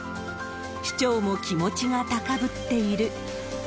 市長も気持ちが高ぶっている。